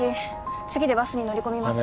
次でバスに乗り込みます